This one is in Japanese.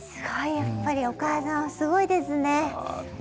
やっぱりお母さん、すごいですね。